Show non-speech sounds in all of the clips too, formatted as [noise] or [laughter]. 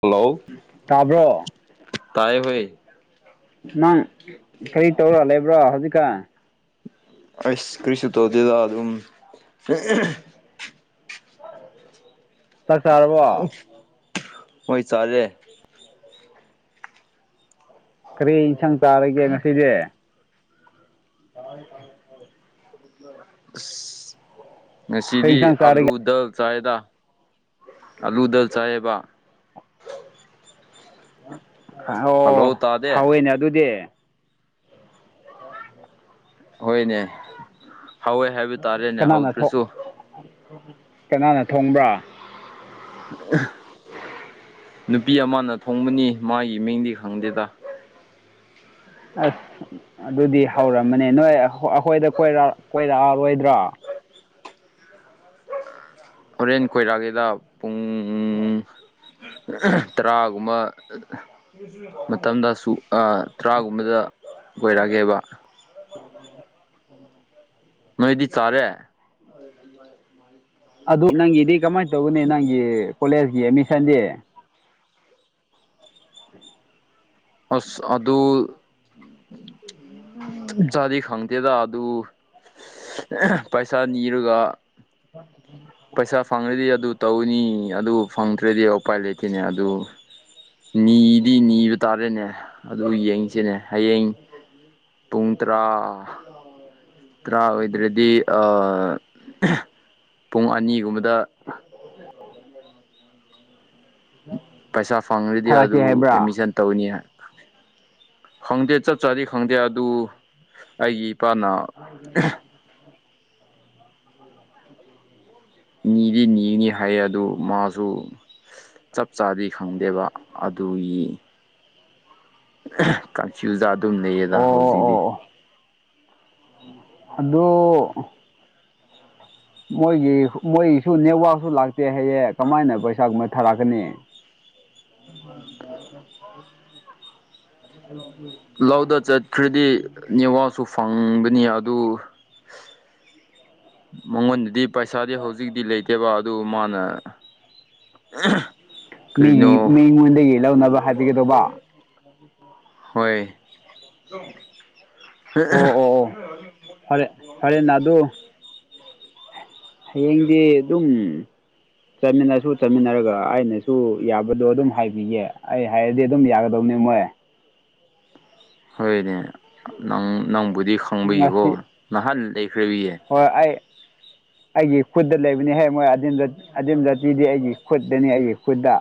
hello ꯇꯥꯕ꯭ꯔꯣ ꯇꯥꯏꯌꯦ ꯕꯩ ꯅꯪ ꯀꯩ ꯇꯧꯔ ꯂꯩꯕ꯭ꯔꯣ ꯍꯧꯖꯤꯛꯀꯥꯟ ꯑꯩꯁ ꯀ꯭ꯔꯤꯁꯨ ꯇꯧꯗꯦꯗ ꯑꯗꯨꯝ ꯆꯥꯛ ꯆꯥꯔꯕꯣ ꯍꯣꯏ ꯆꯥꯂꯦ ꯀꯔꯤ ꯏꯟꯁꯥꯡ ꯆꯥꯔꯒꯦ ꯉꯁꯤꯗꯤ [unintelligible] ꯑꯁ ꯀꯔꯤ ꯉꯁꯤꯗꯤ ꯏꯟꯁꯥꯡ ꯆꯥꯔꯒꯦ ꯑꯥꯂꯨꯗꯜ ꯆꯥꯏꯗ ꯑꯂꯨꯗꯜ ꯆꯥꯌꯦꯕ ꯍꯜꯂꯣ ꯍꯥꯑꯣ ꯇꯥꯗꯦ ꯍꯥꯎꯋꯦꯅꯦ ꯑꯗꯨꯗꯤ [inaudible] ꯍꯣꯏꯅꯦ ꯍꯥꯎꯋꯦ ꯍꯥꯏꯕ ꯇꯥꯔꯦꯅꯦ ꯀꯅꯥꯅ ꯊꯣꯡ ꯍꯧꯗ꯭ꯔꯁꯨ ꯀꯅꯥꯅ ꯊꯣꯡꯕ꯭ꯔꯥ [unintelligible] ꯅꯨꯄꯤ ꯑꯃꯅ ꯊꯣꯡꯕꯅꯤ ꯃꯥꯒꯤ ꯃꯤꯡꯗꯤ ꯈꯪꯗꯦꯗ ꯑꯁ ꯑꯗꯨꯗꯤ ꯍꯧꯔꯝꯃꯅꯦ ꯅꯣꯏ ꯑꯈꯣ ꯑꯩꯈꯣꯏꯗ ꯀꯣꯢꯔ ꯀꯣꯏꯔꯛꯑꯔꯣꯏꯗ꯭ꯔꯣ ꯍꯣꯔꯦꯟ ꯀꯣꯢꯔꯛꯑꯒꯦꯗ ꯄꯨꯡ ꯇꯔꯥꯒꯨꯝꯕ ꯃꯇꯝꯗꯁꯨ ꯑ ꯇꯔꯥꯒꯨꯝꯕꯗ ꯀꯣꯢꯔꯛꯑꯒꯦꯕ [inaudible] ꯅꯣꯏꯗꯤ ꯆꯥꯔꯦ [unintelligible] ꯑꯗꯨ ꯅꯪꯒꯤꯗꯤ ꯀꯃꯥꯏ ꯇꯧꯒꯅꯤ ꯅꯪꯒꯤ ꯀꯣꯂꯦꯖꯒꯤ ꯑꯦꯗꯃꯤꯁꯟꯗꯤ ꯑꯁ ꯑꯗꯨ ꯆꯞ ꯆꯥꯗꯤ ꯈꯪꯗꯦꯗ ꯑꯗꯨ ꯄꯩꯁꯥ ꯅꯤꯔꯒ ꯄꯩꯁꯥ ꯐꯪꯔꯗꯤ ꯑꯗꯨ ꯇꯧꯅꯤ ꯑꯗꯨ ꯐꯪꯗ꯭ꯔꯗꯤ ꯎꯄꯥꯏ ꯂꯩꯇꯦꯅꯦ ꯑꯗꯨ ꯅꯤꯗꯤ ꯅꯤꯕ ꯇꯥꯔꯦꯅꯦ ꯑꯗꯨ ꯌꯦꯡꯁꯤꯅꯦ ꯍꯌꯦꯡ ꯄꯨꯡ ꯇꯔꯥ ꯇ꯭ꯔꯥ ꯑꯣꯏꯗ꯭ꯔꯗꯤ ꯑ ꯄꯨꯡ ꯑꯅꯤꯒꯨꯝꯕꯗ ꯄꯩꯁꯥ ꯐꯪꯔꯗꯤ ꯊꯥꯔꯛꯀꯦ ꯑꯗꯨ ꯍꯥꯏꯕ꯭ꯔꯥ ꯑꯦꯠꯃꯤꯁꯟ ꯇꯧꯅꯤ ꯍꯥ ꯈꯪꯗꯦ ꯆꯠꯇ꯭ꯔꯗꯤ ꯈꯪꯗꯦ ꯑꯗꯨ ꯑꯩꯒꯤ ꯏꯄꯥꯅ [inaudible] [inaudible] ꯅꯤꯗꯤ ꯅꯤꯒꯅꯤ ꯍꯥꯏꯌꯦ ꯑꯗꯨ ꯃꯥꯖꯨ ꯆꯞ ꯆꯥꯗꯤ ꯈꯪꯗꯦꯕ ꯑꯗꯨꯒꯤ ꯀꯟꯐ꯭ꯌꯨꯖ ꯑꯗꯨꯝ ꯂꯩꯌꯦꯗ ꯑꯣ ꯍꯧꯖꯤꯛꯗꯤ ꯍꯥꯜꯂꯣ ꯃꯣꯏꯒꯤ ꯃꯣꯏꯒꯤꯁꯨ ꯅꯦꯠꯋꯥꯛꯁꯨ ꯂꯥꯛꯇꯦ ꯍꯥꯢꯌꯦ ꯀꯃꯥꯏꯅ ꯄꯩꯁꯥꯒꯨꯝꯕ ꯊꯥꯔꯛꯀꯅꯤ [inaudible] [inaudible] ꯂꯧꯗ ꯆꯠꯈ꯭ꯔꯗꯤ ꯅꯦꯋꯥꯛꯁꯨ ꯐꯪꯕꯅꯤ ꯑꯗꯨ ꯃꯉꯣꯟꯗꯗꯤ ꯄꯩꯁꯥꯗꯤ ꯍꯧꯖꯤꯛꯗꯤ ꯂꯩꯇꯦꯕ ꯑꯗꯨ ꯃꯥꯅ ꯃꯤꯒꯤ ꯀꯔꯤꯅꯣ ꯃꯤꯉꯣꯟꯗꯒꯤ ꯂꯧꯅꯕ ꯍꯥꯏꯕꯤꯒꯗꯧꯕ ꯍꯣꯏ ꯑꯣ ꯑꯣ ꯑꯣ ꯐꯔꯦ ꯐꯔꯦꯅ ꯑꯗꯨ ꯍꯌꯦꯡꯗꯤ ꯑꯗꯨꯝ ꯆꯠꯃꯤꯟꯅꯁꯨ ꯆꯠꯃꯤꯟꯅꯔꯒ ꯑꯩꯅꯁꯨ ꯌꯥꯕꯗꯣ ꯑꯗꯨꯝ ꯍꯥꯏꯕꯤꯒꯦ ꯑꯩ ꯍꯥꯏꯔꯗꯤ ꯑꯗꯨꯝ ꯌꯥꯒꯗꯧꯅꯦ ꯃꯣꯏ ꯍꯣꯏꯅꯦ ꯅꯪ ꯅꯪꯕꯨꯗꯤ ꯈꯪꯕꯒꯤꯀꯣ ꯉꯁꯤ ꯅꯍꯥꯟ ꯂꯩꯈ꯭ꯔꯕꯤꯌꯦ ꯍꯣꯏ ꯑꯩ ꯑꯩꯒꯤ ꯈꯨꯠꯇ ꯂꯩꯕꯅꯤꯍꯦ ꯃꯣꯏ ꯑꯗꯤꯝꯗ ꯑꯗꯤꯝ ꯖꯥꯇꯤꯗꯤ ꯑꯩꯒꯤ ꯈꯨꯠꯇꯅꯤ ꯑꯩꯒꯤ ꯈꯨꯠꯇ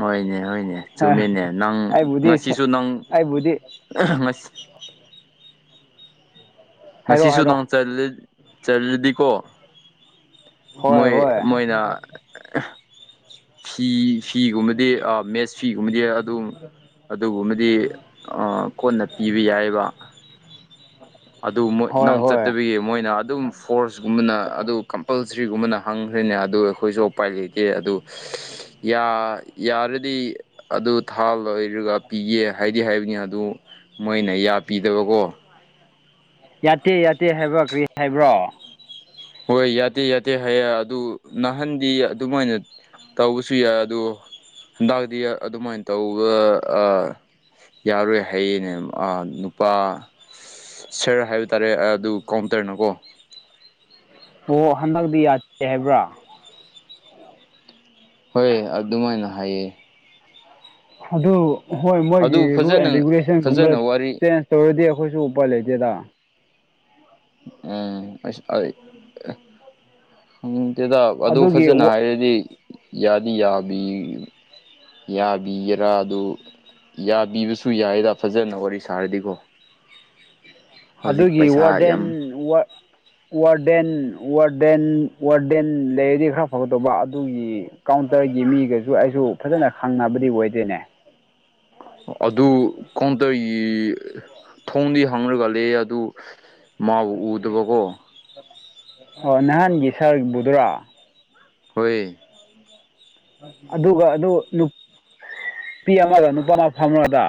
ꯍꯣꯏꯅꯦ ꯍꯣꯏꯅꯦ ꯆꯨꯝꯃꯤꯅꯦ ꯅꯪ ꯑꯩꯕꯨꯗꯤ ꯉꯁꯤꯁꯨ ꯅꯪ ꯑꯩꯕꯨꯗꯤ ꯉꯁ ꯍꯥꯏꯔꯣ ꯉꯁꯤꯁꯨ ꯍꯥꯏꯔꯣ ꯅꯣꯡ ꯆꯠꯂ ꯆꯠꯂꯗꯤꯀꯣ ꯍꯣꯏ ꯃꯣꯏ ꯍꯣꯏ ꯃꯣꯏꯅ ꯐꯤ ꯐꯤꯒꯨꯝꯕꯗꯤ ꯑꯥ ꯃꯦꯁ ꯁꯤꯒꯨꯝꯕꯗꯤ ꯑꯗꯨꯝ ꯑꯗꯨꯒꯨꯝꯕꯗꯤ ꯑꯥ ꯀꯣꯟꯅ ꯄꯤꯕ ꯌꯥꯏꯌꯦꯕ ꯑꯗꯨ ꯃꯣꯏ ꯍꯣꯏ ꯅꯪ ꯆꯠ ꯍꯣꯏ ꯇꯕꯒꯤ ꯃꯣꯏꯅ ꯑꯗꯨꯝ ꯐꯣꯔꯁꯒꯨꯝꯕꯅ ꯑꯗꯨ ꯀꯝꯄꯜꯁ꯭ꯔꯤꯒꯨꯝꯕꯅ ꯍꯪꯈ꯭ꯔꯦꯅꯦ ꯑꯗꯨ ꯑꯩꯈꯣꯏꯖꯨ ꯎꯄꯥꯏ ꯂꯩ ꯀꯦ ꯑꯗꯨ ꯌꯥ ꯌꯥꯔꯗꯤ ꯑꯗꯨ ꯊꯥ ꯂꯣꯏꯔꯒ ꯄꯤꯒꯦ ꯍꯥꯏ [unintelligible] ꯍꯥꯏꯕꯅꯤ ꯑꯗꯨ ꯃꯣꯏꯅ ꯌꯥꯄꯤꯗꯕꯀꯣ ꯌꯥꯇꯦ ꯌꯥꯇꯦ ꯍꯥꯏꯕ ꯀ꯭ꯔꯤ ꯍꯥꯏꯕ꯭ꯔꯣ ꯍꯣꯏ ꯌꯥꯗꯦ ꯌꯥꯗꯦ ꯍꯥꯏꯌꯦ ꯑꯗꯨ ꯅꯍꯥꯟꯗꯤ ꯑꯗꯨꯃꯥꯏꯅ ꯇꯧꯕꯁꯨ ꯌꯥꯏ ꯑꯗꯣ ꯍꯟꯗꯛꯗꯤ ꯑꯗꯨꯃꯥꯏꯅ ꯇꯧꯕ ꯑꯥ ꯌꯥꯔꯣꯏ ꯍꯩꯌꯦꯅꯦ ꯑꯥ ꯅꯨꯄꯥ ꯁꯔ ꯍꯥꯏꯕ ꯇꯥꯔꯦ ꯑꯗꯨ ꯀꯥꯎꯟꯇꯔꯅꯀꯣ ꯑꯣ ꯍꯟꯗꯛꯇꯤ ꯌꯥꯗꯦ ꯍꯥꯏꯕ꯭ꯔꯥ ꯍꯣꯏ ꯑꯗꯨꯃꯥꯏꯅ ꯍꯥꯏꯌꯦ ꯑꯗꯨ ꯍꯣꯏ ꯃꯣꯏꯒꯤ ꯑꯗꯨ ꯔꯨꯜ ꯑꯦꯟ ꯐꯖꯅ ꯔꯤꯒꯨꯂꯦꯁꯟꯒꯨꯝꯕ ꯐꯖꯅ ꯋꯥꯔꯤ ꯆꯦꯟꯖ ꯇꯧꯔꯗꯤ ꯑꯈꯣꯏꯁꯨ ꯎꯄꯥꯢ ꯂꯩꯇꯦꯗ ꯑꯥ ꯑꯩꯁ ꯑꯩꯠ ꯑꯦ ꯈꯪꯇꯦꯗꯥ ꯑꯗꯨ ꯑꯗꯨꯒꯤ ꯐꯖꯅ ꯍꯥꯏꯔꯗꯤ ꯌꯥꯗꯤ ꯌꯥꯕꯤ ꯌꯥꯕꯤꯒꯦꯔꯥ ꯑꯗꯨ ꯌꯥꯕꯤꯕꯁꯨ ꯌꯥꯏꯗ ꯐꯖꯟꯅ ꯋꯥꯔꯤ ꯁꯥꯔꯗꯤꯀꯣ ꯍꯧꯖꯤꯛ ꯑꯗꯨꯒꯤ ꯄꯩꯁꯥ ꯋꯥꯔꯗꯦꯟ ꯌꯥꯝ ꯋꯥꯔꯗ ꯋꯥꯔꯗꯦꯟ ꯋꯥꯔꯗꯦꯟ ꯋꯥꯔꯗꯦꯟ ꯂꯩꯔꯗꯤ ꯈꯔ ꯐꯒꯗꯧꯕ ꯑꯗꯨꯒꯤ ꯀꯥꯎꯟꯇꯔꯒꯤ ꯃꯤꯒꯁꯨ ꯑꯩꯁꯨ ꯐꯖꯅ ꯈꯪꯅꯕꯗꯤ ꯑꯣꯏꯗꯦꯅꯦ ꯑꯗꯨ ꯀꯥꯎꯟꯇꯔꯒꯤ ꯊꯣꯡꯗꯤ ꯍꯥꯡꯔꯒ ꯂꯩꯌꯦ ꯑꯗꯨ ꯃꯥꯕꯨ ꯎꯗꯕꯀꯣ ꯑꯣ ꯅꯍꯥꯟꯒꯤ ꯁꯥꯔꯕꯨꯗꯨꯔꯥ ꯍꯣꯏ ꯑꯗꯨꯒ ꯑꯗꯨ ꯅꯨꯄꯤ ꯑꯃꯒ ꯅꯨꯄꯥ ꯑꯃ ꯐꯝꯔꯒ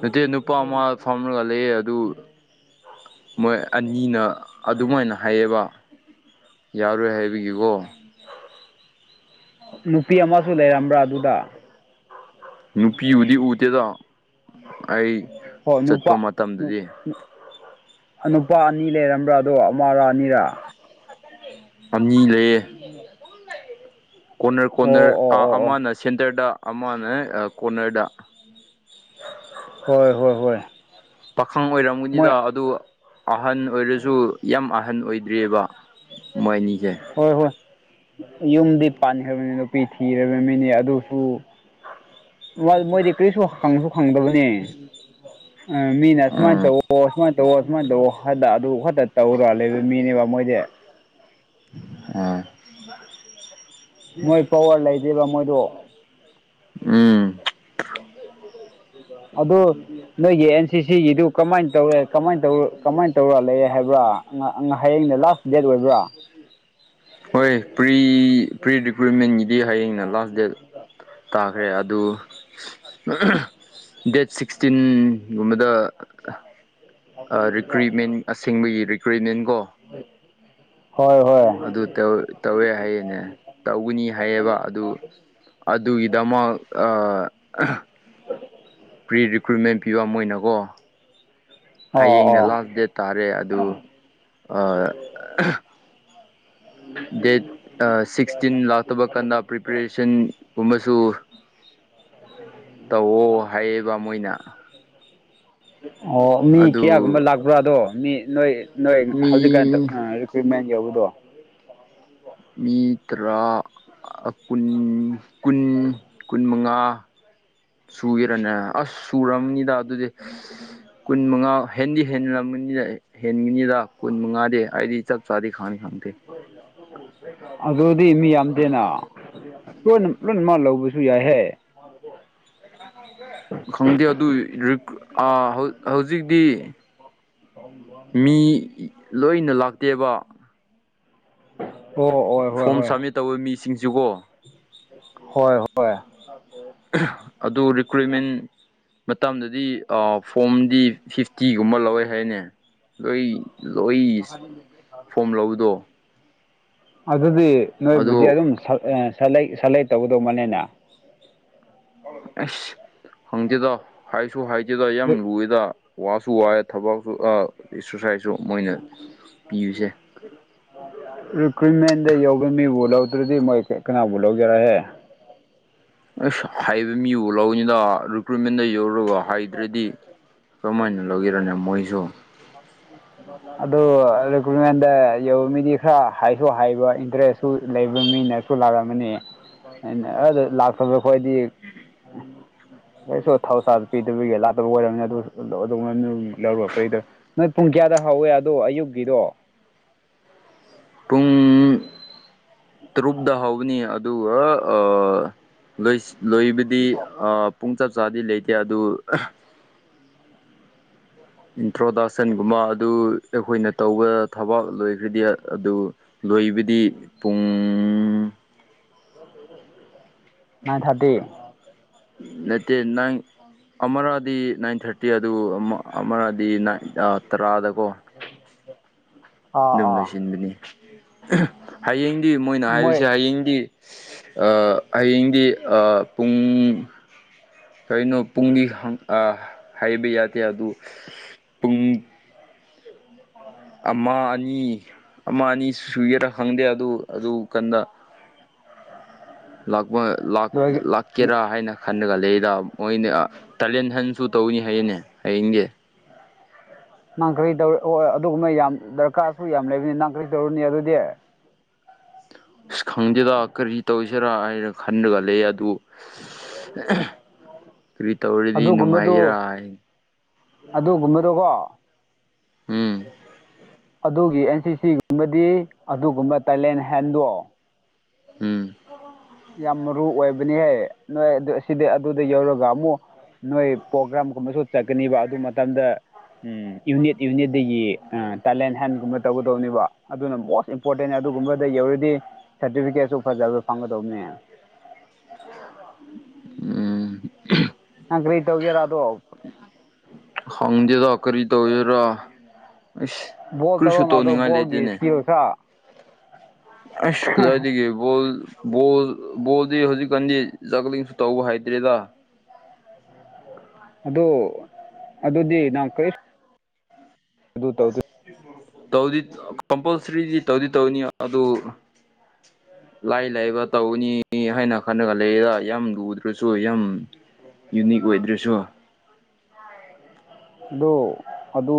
ꯅꯠꯇꯦ ꯅꯨꯄꯥ ꯑꯃ ꯐꯝꯔꯒ ꯂꯩꯌꯦ ꯑꯗꯨ ꯃꯣꯏ ꯑꯅꯤꯅ ꯑꯗꯨꯃꯥꯏꯅ ꯍꯥꯏꯌꯦꯕ ꯌꯥꯔꯣꯏ ꯍꯥꯏꯕꯒꯤꯒꯣ ꯅꯨꯄꯤ ꯑꯃꯁꯨ ꯂꯩꯔꯝꯕ꯭ꯔꯥ ꯑꯗꯨꯗ ꯅꯨꯄꯤꯕꯨꯗꯤ ꯎꯗꯦꯗ ꯑꯩ ꯍꯣ ꯆꯠꯄ ꯅꯨꯄꯥ ꯅꯨ ꯃꯇꯝꯗꯗꯤ ꯅꯨ ꯍꯥ ꯅꯨꯄꯥ ꯑꯅꯤ ꯂꯩꯔꯝꯕ꯭ꯔꯥ ꯑꯗꯣ ꯑꯃꯔꯥ ꯑꯅꯤꯔꯥ ꯑꯅꯤ ꯂꯩꯌꯦ [inaudible] ꯀꯣꯅꯔ ꯑꯣ ꯀꯣꯅꯔ ꯑꯣ ꯑꯥ ꯑꯣ ꯑꯣ ꯑꯃꯅ ꯁꯦꯟꯇꯔꯗ ꯑꯃꯅ ꯌꯦ ꯀꯣꯅꯔꯗ ꯍꯣꯏ ꯍꯣꯏ ꯍꯣꯏ ꯄꯥꯈꯪ ꯃꯣꯏ ꯑꯣꯏꯔꯝꯒꯅꯤꯗ ꯑꯗꯨ ꯑꯍꯟ ꯑꯣꯏꯔꯁꯨ ꯌꯥꯝ ꯑꯍꯟ ꯑꯍꯟ ꯑꯣꯏꯗ꯭ꯔꯤꯌꯦꯕ ꯃꯣꯏꯅꯤꯖꯦ ꯍꯣꯏ ꯍꯣꯏ ꯌꯨꯝꯗꯤ ꯄꯥꯟꯈ꯭ꯔꯕꯅꯤ ꯅꯨꯄꯤ ꯊꯤꯔꯕ ꯃꯤꯅꯦ ꯑꯗꯨꯁꯨ ꯃꯥ ꯃꯣꯏꯗꯤ ꯀ꯭ꯔꯤꯁꯨ ꯍꯪꯁꯨ ꯈꯪꯗꯕꯅꯤ ꯑ ꯃꯤꯅ ꯁꯨꯃꯥꯏꯟ ꯎꯝ ꯇꯧꯑꯣ ꯁꯨꯃꯥꯏꯟ ꯇꯧꯋꯣ ꯑꯗꯨꯃꯥꯏꯟ ꯇꯧꯋꯣ ꯍꯥꯗ ꯑꯗꯨ ꯈꯛꯇ ꯇꯧꯔ ꯂꯩꯕ ꯃꯤꯅꯦꯕ ꯃꯣꯏꯗꯤ ꯑꯥ ꯃꯣꯏ ꯄꯋꯥꯔ ꯂꯩꯗꯦꯕ ꯃꯣꯏꯗꯣ ꯎꯝ ꯑꯗꯣ ꯅꯣꯏꯒꯤ ꯑꯦꯟ ꯁꯤ ꯁꯤ ꯒꯤꯗꯨ ꯀꯃꯥꯏꯟ ꯇꯧꯔꯦ ꯀꯃꯥꯏꯟ ꯇꯧꯔ ꯀꯃꯥꯏꯟ ꯇꯧꯔ ꯂꯩꯔꯦ ꯍꯥꯏꯕ꯭ꯔꯥ ꯑꯉꯥꯥ ꯑꯉꯥ ꯍꯌꯦꯡꯅ ꯂꯥꯁ ꯗꯦꯠ ꯑꯣꯏꯕ꯭ꯔꯥ ꯍꯣꯏ ꯄ꯭ꯔꯤ ꯄꯤ ꯄ꯭ꯔꯤ ꯔꯤꯀ꯭ꯔꯨꯠꯃꯦꯟꯒꯤꯗꯤ ꯍꯌꯦꯡꯅ ꯂꯥꯁ ꯗꯦꯠ ꯇꯥꯈ꯭ꯔꯦ ꯑꯗꯨ ꯗꯦꯠ ꯁꯤꯛꯁꯇꯤꯟ ꯒꯨꯝꯕꯗ ꯑ ꯔꯤꯀ꯭ꯔꯨꯏꯠꯃꯦꯟ ꯑꯁꯦꯡꯕꯒꯤ ꯔꯤꯀ꯭ꯔꯨꯏꯠꯃꯦꯟ ꯀꯣ ꯍꯣꯏ ꯍꯣꯏ ꯑꯗꯨ ꯇꯧ ꯇꯧꯋꯦ ꯍꯥꯏꯌꯦꯅꯦ ꯇꯧꯒꯅꯤ ꯍꯥꯏꯌꯦꯕ ꯑꯗꯨ ꯑꯗꯨꯒꯤꯗꯃꯛ ꯑ ꯄ꯭ꯔꯤ ꯔꯤꯀ꯭ꯔꯨꯏꯠꯃꯦꯟ ꯄꯤꯕ ꯃꯣꯢꯅ ꯀꯣ ꯑꯣ ꯍꯌꯦꯡꯅ ꯑꯣ ꯂꯥꯁ ꯗꯦꯠ ꯇꯥꯔꯦ ꯑꯗꯨ ꯑ ꯗꯦꯠ ꯑ ꯁꯤꯛꯁꯇꯤꯟ ꯂꯥꯛꯇꯕ ꯀꯥꯟꯗ ꯄ꯭ꯔꯤꯄꯦꯔꯦꯁꯟ ꯒꯨꯝꯕꯁꯨ ꯇꯧꯋꯣ ꯍꯥꯏꯌꯦꯕ ꯃꯣꯏꯅ ꯑꯣ ꯃꯤ ꯀ꯭ꯌꯥꯒꯨꯝꯕ ꯑꯗꯨ ꯂꯥꯛꯄ꯭ꯔꯥꯗꯣ ꯃꯤ ꯅꯣꯏ ꯅꯣꯏ ꯍꯧꯖꯤꯛꯀꯥꯟ ꯇꯧ ꯃꯤ ꯑ ꯀ꯭ꯔꯤꯝꯃꯦꯟ ꯌꯥꯎꯕꯗꯣ ꯃꯤ ꯇ꯭ꯔꯥ ꯑ ꯀꯨꯟ ꯀꯨꯟ ꯀꯨꯟꯃꯉꯥ ꯁꯨꯒꯦꯔꯅꯦ ꯑꯁ ꯁꯨꯔꯝꯅꯤꯗ ꯑꯗꯨꯗꯤ ꯀꯨꯟꯃꯉꯥ ꯍꯦꯟꯗꯤ ꯍꯦꯟꯅꯔꯝꯃꯅꯤꯗ ꯑꯦ ꯍꯦꯟꯒꯅꯤꯗ ꯀꯨꯟ ꯃꯉꯥꯗꯤ ꯑꯩꯗꯤ ꯆꯞ ꯆꯥꯗꯤ ꯈꯪꯗꯤ ꯈꯪꯗꯦ ꯑꯗꯨꯗꯤ ꯃꯤ ꯌꯥꯝꯗꯦꯅ ꯂꯣꯏꯅ ꯂꯣꯏꯅꯃꯛ ꯂꯧꯕꯁꯨ ꯌꯥꯏꯍꯦ [unintelligible] ꯈꯪꯗꯦ ꯑꯗꯨꯏ ꯔꯤꯀ꯭ꯔꯨ ꯑ ꯍꯧ ꯍꯧꯖꯤꯛꯗꯤ ꯃꯤ ꯂꯣꯏꯅ ꯂꯥꯛꯇꯦꯕ ꯑꯣ ꯑꯣꯏ ꯐꯣꯝ ꯁꯕꯃꯤꯠ ꯇꯧꯕ ꯃꯤꯁꯤꯡ ꯁꯦꯀꯣ ꯍꯣꯏ ꯍꯣ ꯑꯗꯨ ꯔꯤꯀ꯭ꯔꯨꯏꯃꯦꯟ ꯃꯇꯝꯗꯗꯤ ꯑ ꯐꯣꯝꯗꯤ ꯐꯤꯐ ꯇꯤꯒꯨꯝꯕ ꯂꯧꯋꯦ ꯍꯥꯏꯅꯦ ꯂꯣꯏ ꯂꯣꯏꯁ ꯐꯣꯝ ꯂꯧꯕꯗꯣ ꯑꯗꯨꯗꯤ ꯅꯣꯏꯕꯨꯗꯤ ꯑꯗꯨ ꯑꯗꯨꯝ ꯁꯥꯔ ꯑꯦ ꯁꯥꯔꯂꯩ ꯁꯔꯂꯦꯛ ꯇꯧꯒꯗꯧꯕ ꯃꯥꯟꯅꯦꯅꯦ ꯑꯁ ꯈꯪꯗꯦꯗ ꯍꯥꯏꯁꯨ ꯍꯥꯏꯗꯦꯗ ꯌꯥꯝ ꯂꯨꯌꯦꯗ ꯋꯥꯁꯨ ꯋꯥꯏ ꯊꯕꯛꯁꯨ ꯑ ꯑꯦꯛꯁꯔꯁꯥꯏꯖꯁꯨ ꯃꯣꯏꯅ ꯄꯤꯔꯤꯁꯦ ꯔꯤꯀ꯭ꯔꯨꯏꯠꯃꯦꯟꯗ ꯌꯧꯕ ꯃꯤꯕꯨ ꯂꯧꯗ꯭ꯔꯗꯤ ꯃꯣꯏ ꯀꯅꯥꯕꯨ ꯂꯧꯒꯦꯔꯍꯦ ꯑꯁ ꯑꯍꯩꯕ ꯃꯤꯕꯨ ꯂꯧꯅꯤꯗ ꯔꯤꯀ꯭ꯔꯨꯏꯠꯃꯦꯟꯗ ꯌꯧꯔꯒ ꯍꯥꯏꯇ꯭ꯔꯗꯤ ꯀ꯭ꯔꯝ ꯃꯥꯏꯅ ꯂꯧꯒꯦꯔꯅꯦ ꯃꯣꯏꯁꯨ [inaudible] ꯑꯗꯨ ꯔꯤꯀꯨꯢꯃꯦꯟꯗ ꯌꯧꯕ ꯃꯤꯗꯤ ꯈꯔ ꯍꯥꯏꯁꯨ ꯍꯥꯏꯕ ꯏꯟꯇꯔꯦꯁꯁꯨ ꯂꯩꯕ ꯃꯤꯅ ꯁꯨ ꯂꯥꯛꯑꯝꯃꯅꯤ ꯑꯩꯅ ꯑꯥ ꯂꯥꯛꯇꯕ ꯈꯣꯏꯗꯤ ꯑꯩꯁꯨ ꯊꯧꯁꯥꯄꯤꯗꯕꯤꯒ ꯂꯥꯛꯇꯕ ꯑꯣꯏꯔꯕꯅꯤ ꯑꯗꯨ ꯉꯥꯅꯨ ꯂꯧꯔ ꯀꯩꯗ ꯄꯨꯡ ꯀꯌꯥꯗ ꯍꯧꯋꯦ ꯑꯗꯣ ꯑꯌꯨꯛꯀꯤꯗꯣ ꯄꯨꯡ ꯇꯔꯨꯛꯗ ꯍꯩꯒꯅꯤ ꯑꯗꯨꯒ ꯑꯥ ꯂꯣꯏ ꯂꯣꯏꯕꯗꯤ ꯑꯥ ꯄꯨꯡ ꯆꯞ ꯆꯥꯗꯤ ꯂꯩꯇꯦ ꯑꯗꯨ ꯏꯟꯇ꯭ꯔꯣꯗꯛꯁꯟꯒꯨꯝꯕ ꯑꯗꯨ ꯑꯩꯈꯣꯏꯅ ꯇꯧꯕ ꯊꯥꯕꯛ ꯂꯣꯏꯈ꯭ꯔꯗꯤ ꯑꯗꯨ ꯂꯣꯏꯕꯗꯤ ꯄꯨꯡ ꯅꯥꯏꯟ ꯊꯥꯔꯇꯤ ꯅꯠꯇꯦ ꯅꯥꯏꯟ ꯑꯃꯔꯥꯗꯤ ꯅꯥꯏꯟ ꯊꯥꯔꯇꯤ ꯑꯗꯨ ꯑꯃ ꯑꯃꯔꯗꯤ ꯅꯩ ꯑꯥ ꯇꯔꯥꯗꯀꯣ ꯑꯥ ꯑꯗꯨꯝ ꯑꯥ ꯂꯣꯏꯁꯤꯟꯕꯅꯤ ꯍꯌꯦꯡꯗꯤ ꯃꯣꯏꯅ ꯃꯣꯏ ꯍꯥꯏꯁꯦ ꯍꯌꯦꯡꯗꯤ ꯑꯥ ꯍꯌꯦꯡꯗꯤ ꯑꯥ ꯄꯨꯡ ꯀꯩꯅꯣ ꯄꯨꯡꯗꯤ ꯑꯥ ꯍꯥꯏꯕ ꯌꯥꯗꯦ ꯑꯗꯨ ꯄꯨꯡ ꯑꯃꯥ ꯑꯅꯤ ꯑꯃꯥ ꯑꯅꯤ ꯁꯨꯒꯦꯔ ꯈꯪꯗꯦ ꯑꯗꯨ ꯑꯗꯨ ꯀꯥꯟꯗ ꯂꯥꯛꯕ ꯂꯥꯛ ꯂꯣꯏ ꯂꯥꯛ ꯀꯦꯔꯥ ꯍꯥꯏꯅ ꯈꯜꯂꯒ ꯂꯩꯗ ꯃꯣꯏꯅ ꯇꯥꯂꯦꯟ ꯍꯟꯁꯨ ꯇꯧꯅꯤ ꯍꯥꯏꯅꯦ ꯍꯌꯦꯡꯒꯤ ꯅꯪ ꯀꯔꯤ ꯇꯧ ꯑꯣ ꯑꯗꯨꯒꯨꯝꯕ ꯌꯥꯝ ꯗꯔꯀꯥꯔꯁꯨ ꯌꯥꯝ ꯂꯩꯕꯅꯤ ꯅꯪ ꯀꯔꯤ ꯇꯧꯔꯨꯅꯤ ꯑꯗꯨꯗꯤ ꯑꯁ ꯈꯪꯗꯦꯗ ꯀꯔꯤ ꯇꯧꯔꯤꯁꯤꯔꯥ ꯍꯥꯏꯔ ꯈꯟꯔꯒ ꯂꯩꯌꯦ ꯑꯗꯨ ꯀ꯭ꯔꯤ ꯇꯧꯔꯗꯤ ꯅꯨꯡꯉꯥꯏꯒꯦꯔꯥ ꯍꯥꯏ ꯑꯗꯨꯒꯨꯝꯕꯗꯣ ꯀꯣ ꯎꯝ ꯑꯗꯨꯒꯤ ꯑꯦꯟ꯬ꯁꯤꯁꯤ ꯕꯗꯤ ꯑꯗꯨꯒꯨꯝꯕ ꯇꯦꯂꯦꯅ ꯍꯦꯟꯗꯣ ꯎꯝ ꯌꯥꯝ ꯃꯔꯨ ꯑꯣꯏꯕꯅꯤꯍꯦ ꯅꯣꯏ ꯑꯁꯤꯗ ꯑꯗꯨꯗ ꯌꯧꯔꯒ ꯑꯃꯨꯛ ꯅꯣꯏ ꯄ꯭ꯔꯣꯒ꯭ꯔꯥꯝꯒꯨꯝꯕꯁꯨ ꯆꯠꯀꯅꯤꯕ ꯑꯗꯨ ꯃꯇꯝꯗ ꯎꯝ ꯌꯨꯅꯤꯠ ꯌꯨꯅꯤꯠꯗꯒꯤ ꯇꯦꯂꯦꯟ ꯍꯟꯒꯨꯝꯕ ꯇꯧꯒꯗꯧꯅꯦꯕ ꯑꯗꯨꯅ ꯕꯣ ꯏꯝꯄꯣꯔꯇꯦꯟ ꯑꯗꯨꯒꯨꯝꯕꯗ ꯌꯧꯔꯗꯤ ꯁꯥꯔꯇꯤꯐꯤꯀꯦꯠꯁꯨ ꯐꯖꯕ ꯐꯪꯒꯗꯧꯕꯅꯦ ꯎꯝ ꯅꯪ ꯀ꯭ꯔꯤ ꯇꯧꯒꯦꯔꯥ ꯑꯗꯣ ꯈꯪꯗꯦꯗ ꯀ꯭ꯔꯤ ꯇꯧꯒꯦꯔꯥ ꯕꯣꯜ ꯇꯧꯔꯣꯅ ꯑꯗꯣ ꯕꯣꯜꯒꯤ ꯂꯩꯇꯦꯅꯦ ꯁ꯭ꯀꯤꯜ ꯈꯔ ꯑꯁ ꯀꯗꯥꯢꯗꯒꯤ ꯕꯣꯜ ꯕꯣꯜ ꯕꯣꯜꯗꯤ ꯍꯧꯖꯤꯛꯀꯥꯟꯗꯤ ꯖꯥꯛꯒꯂꯤꯡꯁꯨ ꯇꯧꯕ ꯍꯩꯇ꯭ꯔꯦꯗ ꯑꯗꯨ ꯑꯗꯨꯗꯤ ꯅꯪ ꯀ꯭ꯔꯤꯁ ꯑꯗꯨ ꯇꯧꯗꯤ ꯀꯝꯄꯜꯁ꯭ꯔꯤꯗꯤ ꯇꯧꯗꯤ ꯇꯧꯅꯤ ꯑꯗꯨ ꯂꯥꯏ ꯂꯥꯏꯕ ꯇꯧꯒꯅꯤ ꯍꯥꯏꯅ ꯈꯜꯂꯒ ꯂꯩꯌꯦꯗ ꯌꯥꯝ ꯂꯨꯗ꯭ꯔꯁꯨ ꯌꯥꯝ ꯌꯨꯅꯤꯛ ꯑꯣꯏꯗ꯭ꯔꯁꯨ ꯑꯗꯨ ꯑꯗꯨ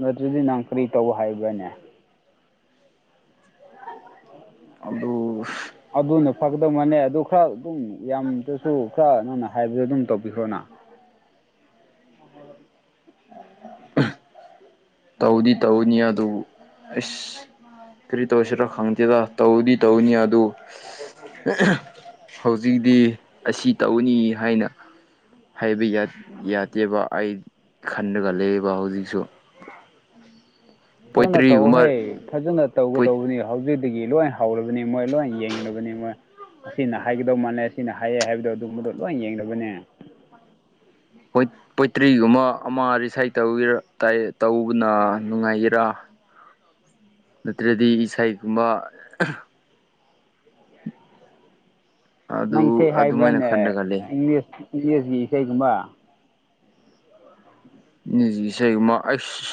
ꯅꯠꯇ꯭ꯔꯗꯤ ꯅꯪ ꯀꯔꯤ ꯇꯧ ꯍꯥꯏꯕ꯭ꯔꯥꯅꯦ ꯑꯗꯨ ꯑꯗꯨꯅ ꯐꯒꯗꯧ ꯃꯥꯜꯅꯦ ꯑꯗꯨ ꯈꯔ ꯑꯗꯨꯝ ꯌꯥꯝꯗꯁꯨ ꯈꯔ ꯅꯪꯅ ꯍꯥꯏꯕꯗꯨ ꯑꯗꯨꯝ ꯇꯧꯕꯤꯈ꯭ꯔꯣꯅ [unintelligible] ꯇꯧꯗꯤ ꯇꯧꯅꯤ ꯑꯗꯨ ꯍꯩꯁ ꯀ꯭ꯔꯤ ꯇꯧꯁꯤꯔꯣ ꯈꯪꯗꯦꯗ ꯇꯧꯗꯤ ꯇꯧꯅꯤ ꯑꯗꯨ ꯍꯧꯖꯤꯛꯗꯤ ꯑꯁꯤ ꯇꯧꯅꯤ ꯍꯥꯏꯅ ꯍꯥꯏꯕ ꯌꯗ ꯌꯥꯗꯦꯕ ꯑꯩ ꯈꯟꯔꯥꯒ ꯂꯩꯑꯦꯕ ꯍꯧꯖꯤꯛꯁꯨ ꯐꯖꯅ ꯄꯣꯏꯇ꯭ꯔꯤꯒꯨꯝꯕ ꯇꯧꯍꯦ ꯐꯖꯅ ꯇꯧꯒꯗꯧꯕꯅꯤ ꯍꯧꯖꯤꯛꯇꯒꯤ ꯂꯣꯏ ꯍꯧꯔꯕꯅꯤ ꯃꯣꯏ ꯂꯣꯏ ꯌꯦꯡꯂꯕꯅꯤ ꯃꯣꯏ ꯑꯁꯤꯅ ꯍꯥꯏꯒꯗꯧ ꯃꯥꯜꯂꯦ ꯑꯁꯤꯅ ꯍꯥꯏꯌꯦ ꯍꯥꯏꯕꯗꯣ ꯑꯗꯨꯝꯕꯗꯣ ꯂꯣꯏ ꯌꯦꯡꯅꯕꯅꯦ ꯍꯣꯏ ꯄꯣꯏꯇ꯭ꯔꯤꯒꯨꯝꯕ ꯑꯃ ꯔꯤꯁꯥꯏꯠ ꯇꯧꯒꯦꯔ ꯇꯧꯕꯅ ꯅꯨꯡꯉꯥꯏꯒꯦꯔꯥ ꯅꯠꯇ꯭ꯔꯗꯤ ꯏꯁꯩꯒꯨꯝꯕ ꯑꯗꯨ ꯅꯪ ꯏꯁꯩ ꯑꯗꯨꯃꯥꯏꯅ ꯍꯥꯏꯕ꯭ꯔꯥꯅꯦ ꯈꯟꯔꯒ ꯂꯩ ꯏꯪꯁ ꯏꯪꯂꯤꯁꯀꯤ ꯏꯁꯩꯒꯨꯝꯕ ꯏꯪꯂꯤꯁꯀꯤ ꯏꯁꯩꯒꯨꯝꯕ ꯑꯥꯢꯁ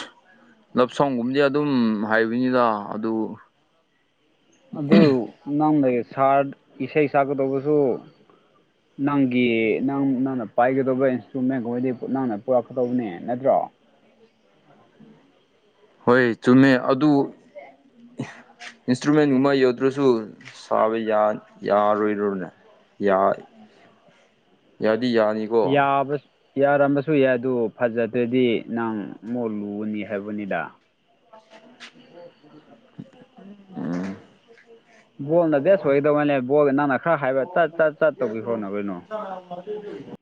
ꯂꯞ ꯁꯣꯡꯒꯨꯝꯕꯗꯤ ꯑꯗꯨꯝ ꯍꯥꯏꯕꯅꯤꯗ ꯑꯗꯨ ꯑꯗꯨ ꯅꯪ ꯑꯩ ꯁꯥꯔꯠ ꯏꯁꯩ ꯁꯛꯀꯗꯧꯕꯁꯨ [inaudible] ꯅꯪꯒꯤ ꯅꯪ ꯅꯪꯅ ꯄꯥꯏꯒꯗꯧꯕ ꯏꯟꯁꯇ꯭ꯔꯨꯃꯦꯟꯒꯨꯝꯕꯗꯤ ꯅꯪꯅ ꯄꯨꯔꯛꯀꯗꯧꯕꯅꯦ ꯅꯠꯇ꯭ꯔꯣ ꯍꯣꯏ ꯆꯨꯝꯃꯦ ꯑꯗꯨ ꯏꯟꯁꯇ꯭ꯔꯨꯃꯦꯟꯒꯨꯝꯕ ꯌꯧꯗ꯭ꯔꯁꯨ ꯁꯥꯕ ꯌꯥꯟ ꯌꯥꯔꯣꯏꯗ꯭ꯔꯣꯅꯦ ꯌꯥ ꯌꯥꯗꯤ ꯌꯥꯅꯤ ꯌꯥꯕ ꯌꯥꯔꯝꯕꯁꯨ ꯌꯥꯏ ꯑꯗꯨ ꯐꯖꯗ꯭ꯔꯗꯤ ꯅꯪ ꯃꯨꯛ ꯂꯨꯒꯥꯅꯤ ꯍꯥꯏꯕꯅꯤꯗ [inaudible] [unintelligible] ꯎꯝ ꯕꯣꯜ ꯕꯦꯁ ꯑꯣꯏꯒꯗꯧ ꯃꯥꯜꯂꯦ ꯕꯣꯜ ꯅꯪꯅ ꯈꯔ ꯍꯥꯏꯕ ꯆꯠ ꯆꯠ ꯆꯠ ꯇꯧꯕꯤꯈ꯭ꯔꯣ ꯅ ꯀꯩꯅꯣ [inaudible]